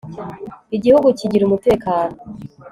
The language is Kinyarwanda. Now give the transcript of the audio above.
igihugu kigira umutekano